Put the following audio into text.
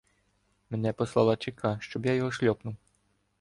— Мене послала ЧК, щоб я його шльопнув.